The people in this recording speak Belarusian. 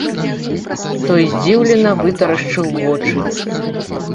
Той здзіўлена вытрашчыў вочы.